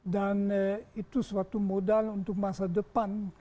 itu suatu modal untuk masa depan